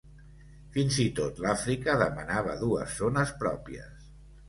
Fins i tot l'Àfrica demanava dues zones pròpies.